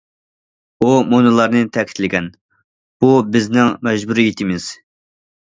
ئۇ مۇنۇلارنى تەكىتلىگەن: بۇ بىزنىڭ مەجبۇرىيىتىمىز.